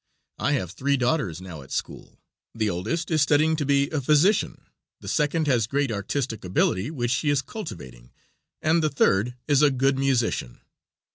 I have three daughters now at school. The oldest is studying to be a physician, the second has great artistic ability which she is cultivating, and the third is a good musician.